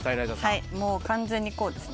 はいもう完全にこうですね。